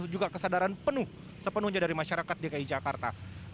juga kesadaran penuh sepenuhnya dari masyarakat dki jakarta